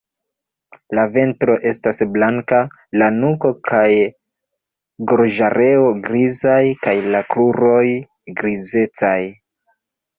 La ventro estas blanka, la nuko kaj gorĝareo grizaj kaj la kruroj grizecaj.